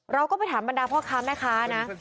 เราก็ไปถามบรรดาพ่อค้าแม่ค้านะ